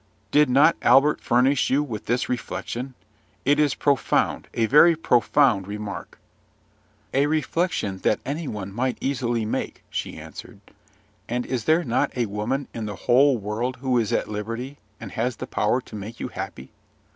Did not Albert furnish you with this reflection? It is profound, a very profound remark." "A reflection that any one might easily make," she answered; "and is there not a woman in the whole world who is at liberty, and has the power to make you happy?